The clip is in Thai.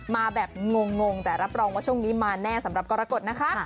มาแบบงงแต่รับรองว่าช่วงนี้มาแน่สำหรับกรกฎนะคะ